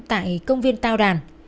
tại công viên tào đàn